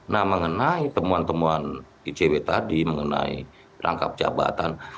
nah mengenai temuan temuan icw tadi mengenai rangkap jabatan